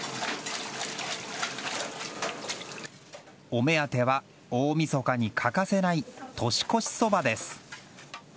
お目当ては大みそかに欠かせない年越しそばです。